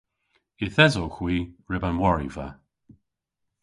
Yth esowgh hwi ryb an wariva.